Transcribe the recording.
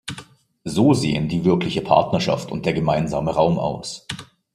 So sehen die wirkliche Partnerschaft und der gemeinsame Raum aus.